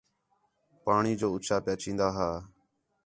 پاݨی جو اُچّا پِیا چین٘دا ہا